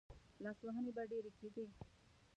لاسوهنې به ډېرې کېدې.